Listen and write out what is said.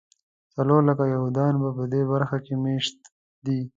څلور لکه یهودیان په دې برخه کې مېشت دي.